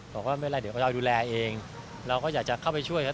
บอกว่าไม่เป็นไรเดี๋ยวเราจะดูแลเองเราก็อยากจะเข้าไปช่วยครับ